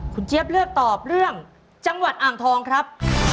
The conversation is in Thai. คุณเจี๊ยบเลือกตอบเรื่องจังหวัดอ่างทองครับ